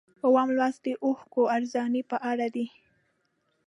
اووم لوست د اوښکو ارزاني په اړه دی.